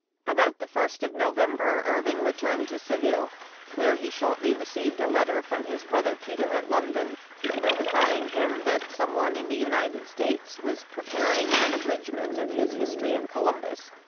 About the first of November, Irving returned to Seville, where he shortly received a letter from his brother Peter at London, notifying him that some one in the United States was prepar ing an abridgment of his " History of Columbus," 184 Memoir of Washington Irving.